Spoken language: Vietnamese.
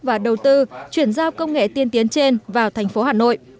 và đầu tư chuyển giao công nghệ tiên tiến trên vào tp hà nội